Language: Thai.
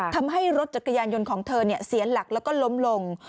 ทำให้รถจักรยานยนต์ของเธอเสียหลักแล้วก็ล้มลง